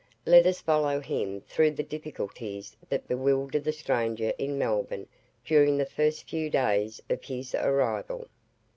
Let us follow him through the difficulties that bewilder the stranger in Melbourne during the first few days of his arrival.